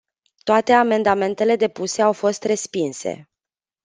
Toate amendamentele depuse au fost respinse.